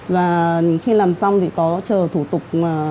và khi làm xong thì có chờ thủ tục